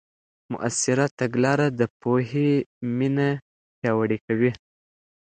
مؤثره تګلاره د پوهې مینه پیاوړې کوي.